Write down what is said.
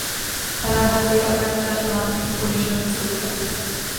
اور اب ہر کوئی اپنا تن ڈھانپٹنے کی کوششوں میں مصروف ہے